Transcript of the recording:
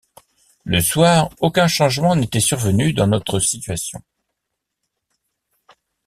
Le soir, aucun changement n’était survenu dans notre situation.